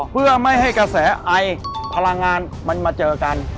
เพื่อไม่ให้กระแสไอพลังงานมันมาเจอกัน